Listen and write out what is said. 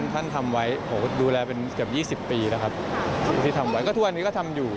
ท่านทำไว้ดูแลเกือบ๒๐ปีก็ทำอยู่